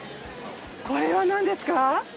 これは何ですか？